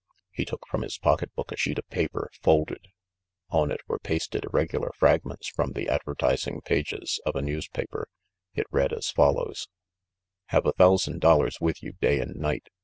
He took from his pocketbook a sheet of paper, folded. On it were pasted irregular fragments from the adver tising pages of a newspaper. It read as follows : "Have a thousand dollars with you, day and night.